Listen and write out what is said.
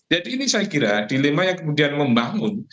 jadi ini saya kira dilema yang kemudian membangun